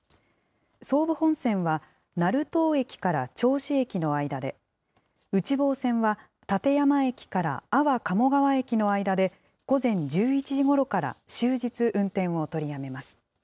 総武本線は成東駅から銚子駅の間で、内房線は館山駅から安房鴨川駅の間で、午前１１時ごろから終日運転を取りやめます。